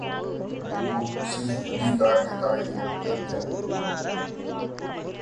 मनमोहन सिंह अधिकार जताएं या घर जाएं